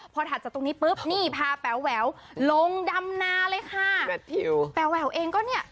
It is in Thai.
พอถัดจากตรงนี้ปุ๊บนี่พาแป๋วแหววลงดำนาเลยค่ะแป๋วแหววเองก็เนี่ย